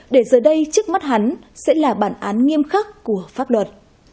để giờ đây trước mắt hắn sẽ là bản án nghiêm khắc của pháp luật